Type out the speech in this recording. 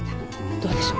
どうでしょう？